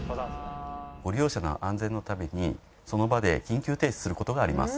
ご利用者の安全のためにその場で緊急停止する事があります。